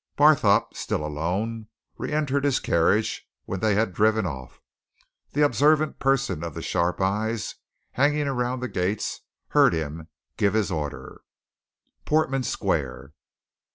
Barthorpe, still alone, re entered his carriage when they had driven off. The observant person of the sharp eyes, hanging around the gates, heard him give his order: "Portman Square!"